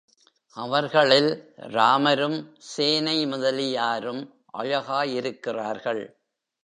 அவர்களில் ராமரும் சேனை முதலியாரும் அழகாயிருக்கிறார்கள்.